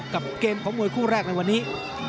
กับเกมของมวยคู่แรกในวันนี้